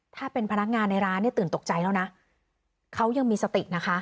ถ้าเป็นพนักงานในร้านเนี่ยตื่นตกใจแล้วนะเขายังมีสตินะคะ